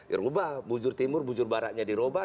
ya rubah bujur timur bujur baratnya di rubah